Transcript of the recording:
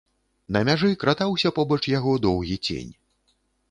На мяжы кратаўся побач яго доўгі цень.